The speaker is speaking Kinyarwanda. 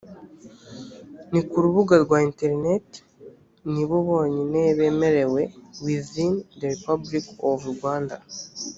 ni ku rubuga rwa interineti nibo bonyine bemerewe within the republic of rwanda